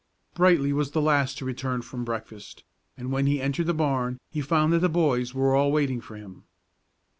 Brightly was the last to return from breakfast, and when he entered the barn he found that the boys were all waiting for him.